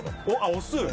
押す。